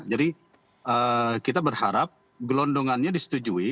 jadi kita berharap gelondongannya disetujui